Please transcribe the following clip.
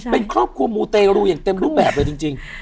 เป็นครอบครัวมูเตรูอย่างเต็มรูปแบบเลยจริง